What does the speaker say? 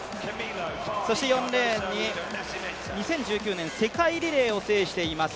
そして４レーンに２０１９年世界リレーを制しています